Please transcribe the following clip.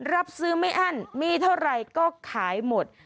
รับซื้อไม่อั้นมีเท่าไหร่ก็ขายหมด